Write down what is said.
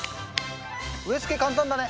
植え付け簡単だね。